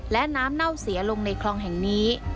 และน้ำเน่าเสียลงในคลองแห่งนี้